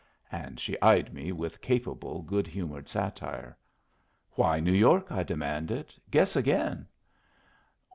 And she eyed me with capable, good humored satire. "Why New York?" I demanded. "Guess again."